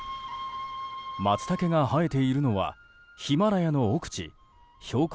マツタケが生えているのはヒマラヤの奥地標高